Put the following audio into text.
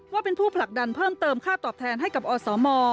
ว่าเป็นผู้ผลักดันเพิ่มเติมค่าตอบแทนให้กับอสม